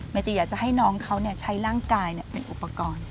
จีอยากจะให้น้องเขาใช้ร่างกายเป็นอุปกรณ์